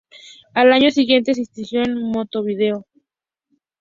Al año siguiente se exilió en Montevideo.